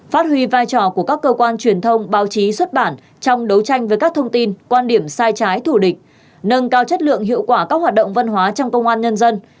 phát huy vai trò của các cơ quan truyền thông báo chí xuất bản trong đấu tranh với các thông tin quan điểm sai trái thủ địch nâng cao chất lượng hiệu quả các hoạt động văn hóa trong công an nhân dân